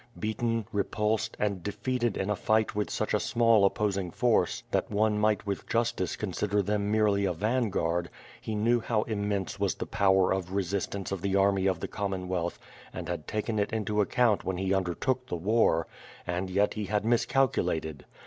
Beaten, re pulsed, and defeated in a fight with such a small opposing force that one might with justice consider them merely a vanguard, he knew how immense was the power of resistance of the army of the Commonwealth and had taken it into ac count w^hen he undertook the war; and yet he had miscalcu lated.